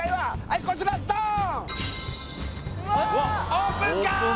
オープンカー！